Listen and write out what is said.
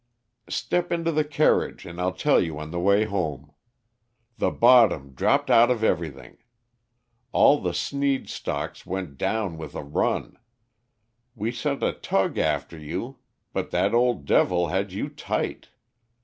"Step into the carriage, and I'll tell you on the way home. The bottom dropped out of everything. All the Sneed stocks went down with a run. We sent a tug after you, but that old devil had you tight.